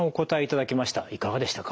いかがでしたか？